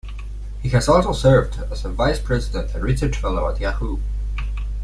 He has also served as a Vice President and Research Fellow at Yahoo!